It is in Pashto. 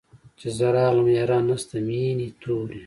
چي زه راغلم ياران نسته مېني توري